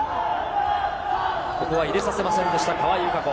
ここは入れさせませんでした、川井友香子。